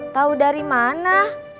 tau dari mana